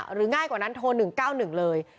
ง่ายกว่านั้นโทร๑๙๑เลย